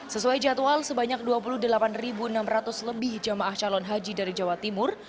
sesuai jadwal sebanyak dua puluh delapan enam ratus lebih jamaah calon haji dari jawa timur